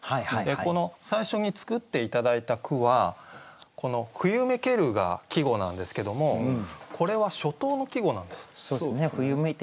この最初に作って頂いた句はこの「冬めける」が季語なんですけどもこれは初冬の季語なんです。